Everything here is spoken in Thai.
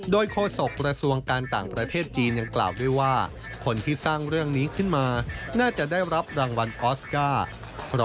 โดยโฆษกระทรวงการต่างประเทศจีนยังกล่าวด้วยว่าคนที่สร้างเรื่องนี้ขึ้นมาน่าจะได้รับรางวัลออสการ์